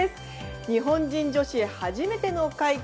日本人女子初めての快挙。